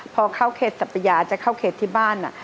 พอเข้าเขตสัพยาจะเข้าเขตที่บ้าน